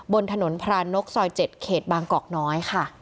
บนถนนพรานกซอย๗เขตบางกอกน้อยค่ะ